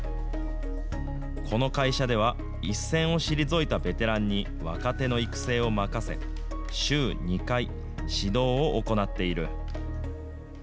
この会社では、一線を退いたベテランに若手の育成を任せ、週２回、指導を行っている。